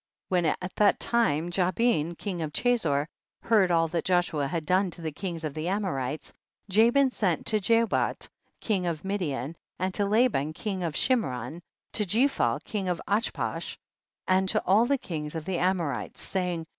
39. When at that time Jabin king of Chazor heard all that Joshua had done to the kings of the Amorites, Jabin sent to Jobat king of Midian, and to Laban king of Shimron, to Jephal king of Achshaph, and to all the kings of the Amorites, saying, 40.